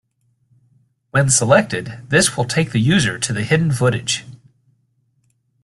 When selected, this will take the user to the hidden footage.